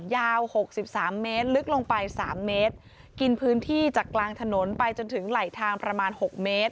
หกสิบสามเมตรลึกลงไป๓เมตรกินพื้นที่จากกลางถนนไปจนถึงไหลทางประมาณ๖เมตร